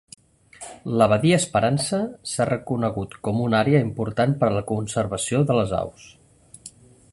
La Badia Esperança s'ha reconegut com una àrea important per a la conservació de les aus.